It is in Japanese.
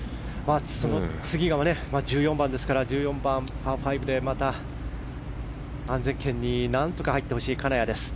次が１４番ですから１４番、パー５でまた安全圏に何とか入ってほしい金谷です。